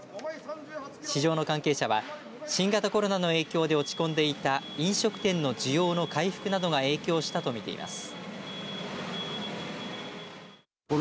市場の関係者は新型コロナの影響で落ち込んでいた飲食店の需要の回復などが影響したと見ています。